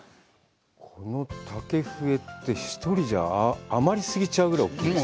この竹ふえって、１人じゃ余りすぎちゃうぐらい大きいね。